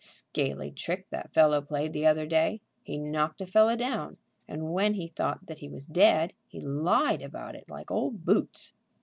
"Scaly trick that fellow played the other day. He knocked a fellow down, and, when he thought that he was dead, he lied about it like old boots."